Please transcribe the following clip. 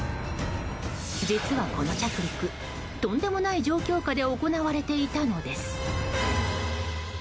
実は、この着陸とんでもない状況下で行われていたのです。